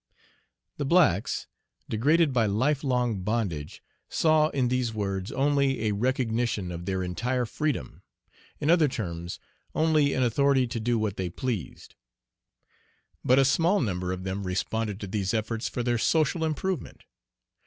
The blacks, degraded by life long bondage, saw in these words only a recognition of their entire freedom; in other terms, only an authority to do what they pleased. But a small number of them responded to these efforts for their social improvement.